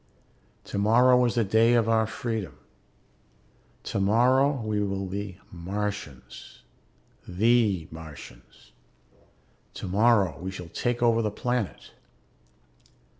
Tomorrow is the day of our freedom. Tomorrow we will be Martians, the Martians. Tomorrow we shall take over the planet.